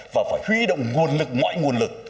và phải hủy động nguồn lực mọi nguồn lực